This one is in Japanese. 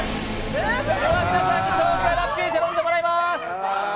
では皆さんにラッピー茶飲んでもらいまーす。